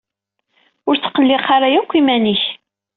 Ur ttqelliq ara yakk iman-ik.